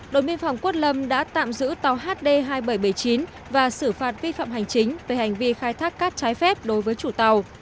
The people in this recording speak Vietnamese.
đội biên phòng quất lâm đã tạm giữ tàu hd hai nghìn bảy trăm bảy mươi chín và xử phạt vi phạm hành chính về hành vi khai thác cát trái phép đối với chủ tàu